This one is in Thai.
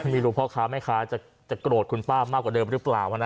ไม่รู้พ่อค้าแม่ค้าจะโกรธคุณป้ามากกว่าเดิมหรือเปล่านะ